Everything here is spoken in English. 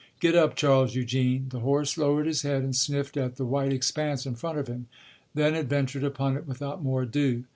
Get up, Charles Eugene." The horse lowered his head and sniffed at the white expanse in front of him, then adventured upon it without more ado.